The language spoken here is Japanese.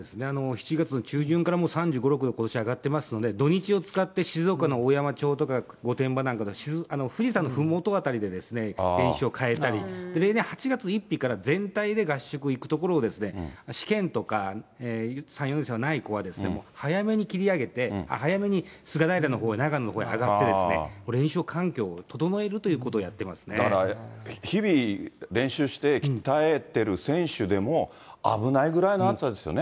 ７月の中旬からもう３５、６度、ことし上がってますので、土日を使って静岡のおやま町とか御殿場など、富士山のふもと辺りで練習を変えたり、例年、８月１日から全体で合宿に行く所を、試験とか、３、４年生でない子は、早めに切り上げて、早めに菅平のほうへ、長野のほうへ上がって、練習環境を整えるということをやっていま日々、練習して鍛えてる選手でも危ないぐらいの暑さですよね。